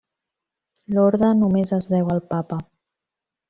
L'Orde només es deu al papa.